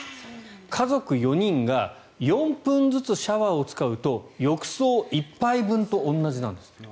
家族４人が４分ずつシャワーを使うと浴槽１杯分と同じなんです。